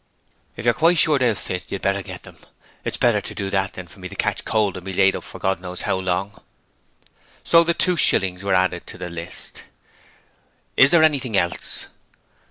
'If you're quite sure they'll fit you'd better get them. It's better to do that than for me to catch cold and be laid up for God knows how long.' So the two shillings were added to the list. 'Is there anything else?'